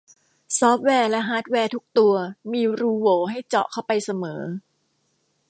ซอฟต์แวร์และฮาร์ดแวร์ทุกตัวมีรูโหว่ให้เจาะเข้าไปเสมอ